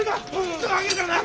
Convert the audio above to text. すぐ上げるからな！